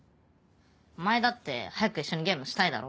お前だって早く一緒にゲームしたいだろ？